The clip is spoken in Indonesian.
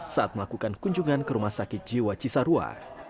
saat melakukan kunjungan ke rumah sakit jiwa cisarwa